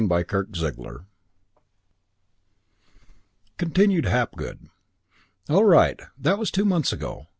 CHAPTER II I Continued Hapgood: "All right. That was two months ago.